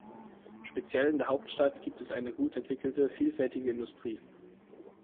Speziell in der Hauptstadt gibt es eine gut entwickelte, vielfältige Industrie.